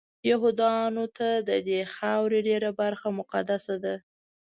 یهودانو ته ددې خاورې ډېره برخه مقدسه ده.